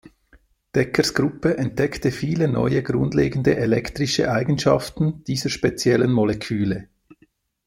Dekkers Gruppe entdeckte viele neue grundlegende elektrische Eigenschaften dieser speziellen Moleküle.